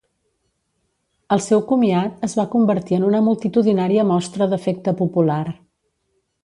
El seu comiat es va convertir en una multitudinària mostra d'afecte popular.